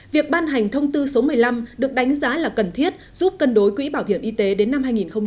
việc ban hành thông tư số một mươi năm được đánh giá là cần thiết giúp cân đối quỹ bảo hiểm y tế đến năm hai nghìn hai mươi